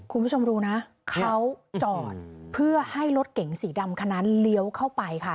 คุณผู้ชมดูนะเขาจอดเพื่อให้รถเก๋งสีดำคันนั้นเลี้ยวเข้าไปค่ะ